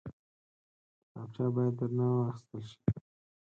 کتابچه باید درنه واخیستل شي